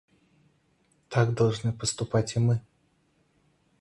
Так должны поступать и мы.